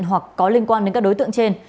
hoặc có liên quan đến các đối tượng trên